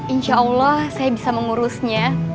insya allah saya bisa mengurusnya